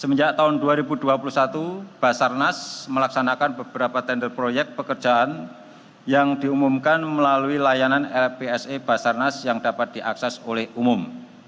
semenjak tahun dua ribu dua puluh satu basarnas melaksanakan beberapa tender proyek pekerjaan yang diumumkan melalui layanan lpse basarnas yang dapat diakses oleh umum